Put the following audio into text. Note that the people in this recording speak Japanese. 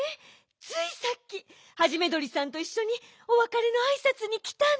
ついさっきハジメどりさんといっしょにおわかれのあいさつにきたの。